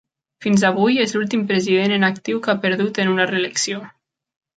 Fins avui, és l'últim president en actiu que ha perdut en una reelecció.